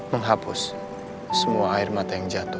menghapus semua air mata yang jatuh